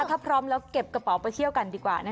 ถ้าพร้อมแล้วเก็บกระเป๋าไปเที่ยวกันดีกว่า